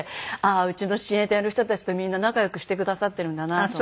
あうちの親衛隊の人たちとみんな仲良くしてくださってるんだなと。